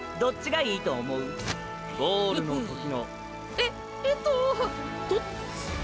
えっえーとどっち。